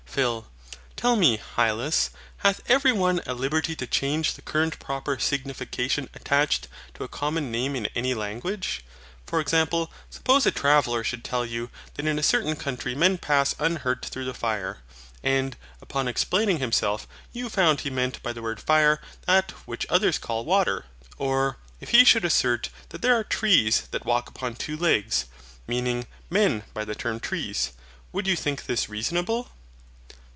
PHIL. Tell me, Hylas, hath every one a liberty to change the current proper signification attached to a common name in any language? For example, suppose a traveller should tell you that in a certain country men pass unhurt through the fire; and, upon explaining himself, you found he meant by the word fire that which others call WATER. Or, if he should assert that there are trees that walk upon two legs, meaning men by the term TREES. Would you think this reasonable?